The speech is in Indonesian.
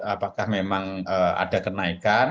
apakah memang ada kenaikan